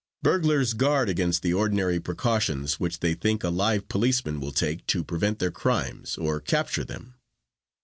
Burglars guard against the ordinary precautions which they think a live policeman will take to prevent their crimes or to capture them.